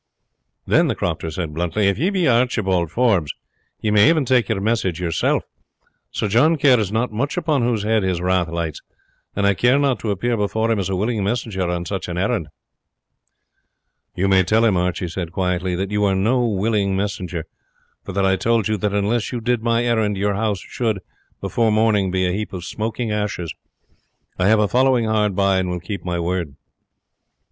"Then," the crofter said bluntly, "if you be Archibald Forbes, you may even take your message yourself. Sir John cares not much upon whose head his wrath lights, and I care not to appear before him as a willing messenger on such an errand." "You may tell him," Archie said quietly, "that you are no willing messenger; for that I told you that unless you did my errand your house should, before morning, be a heap of smoking ashes. I have a following hard by, and will keep my word."